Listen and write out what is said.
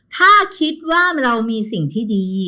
ถ้าคิดว่าเรามีสิ่งที่ดี